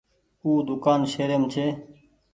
او دوڪآن شهريم ڇي۔